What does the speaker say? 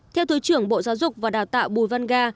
theo thứ trưởng bộ giáo dục và đào tạo bùi văn ga